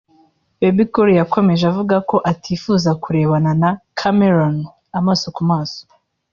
Bebe Cool yakomeje avuga ko atifuza kurebana na Chameleone amaso ku maso